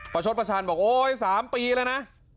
ประชดประชานบอกโอ๊ยสามปีแล้วนะ